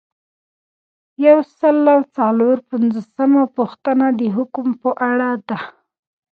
یو سل او څلور پنځوسمه پوښتنه د حکم په اړه ده.